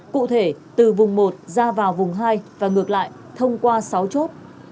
cụ thể từ vùng một ra vào vùng hai và ngược lại thông qua sáu chốt